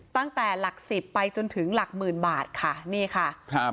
ตั้งแต่หลักสิบไปจนถึงหลักหมื่นบาทค่ะนี่ค่ะครับ